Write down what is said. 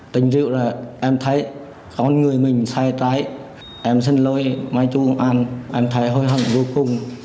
tính rượu là em thấy con người mình sai trái em xin lỗi mai chú công an em thấy hối hận vô cùng